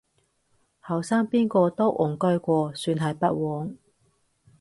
後生邊個都戇居過，算係不枉